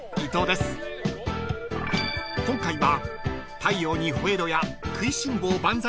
［今回は］